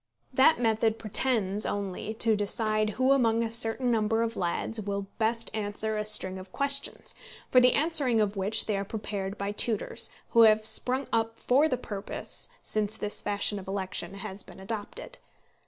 That method pretends only to decide who among a certain number of lads will best answer a string of questions, for the answering of which they are prepared by tutors, who have sprung up for the purpose since this fashion of election has been adopted.